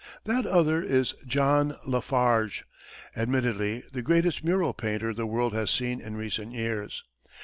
That other is John LaFarge, admittedly the greatest mural painter the world has seen in recent years.